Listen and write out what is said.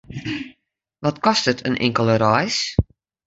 Wat kostet in inkelde reis?